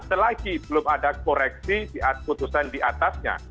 selagi belum ada koreksi putusan diatasnya